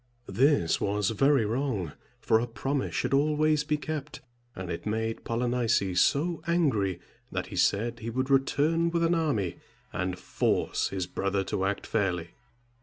This was very wrong, for a promise should always be kept; and it made Polynices so angry, that he said he would return with an army, and force his brother to act fairly.